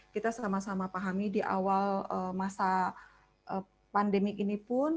kita sama sama pahami di awal masa pandemi ini pun